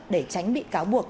để tránh bị cáo buộc